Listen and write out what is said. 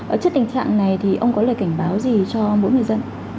ở trước tình trạng này thì ông có lời cảnh báo gì cho mỗi người dân